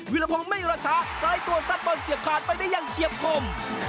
วิรพงศ์ไม่ระชะสายตัวสัดบนเสี่ยบขาดไปได้ยังเชียบคม